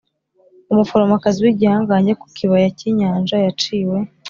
umuforomokazi w'igihangange ku kibaya cy'inyanja yaciwe,